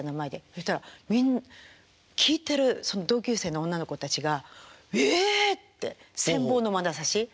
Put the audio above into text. そしたら聴いてるその同級生の女の子たちが「ええ！」って羨望のまなざし。